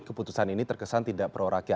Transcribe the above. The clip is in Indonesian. tim liputan cnn indonesia